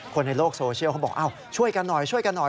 คนในโลกโซเชียลเขาก็บอกช่วยกันหน่อย